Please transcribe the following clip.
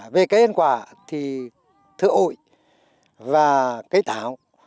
về cây ăn quả thì thưa ổi và cây tảo